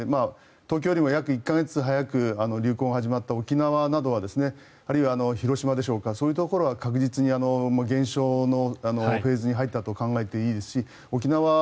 東京よりも約１か月早く流行が始まった沖縄などあるいは広島でしょうかそういうところは確実に減少のフェーズに入ったと考えていいですし沖縄、